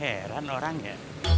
heran orang ya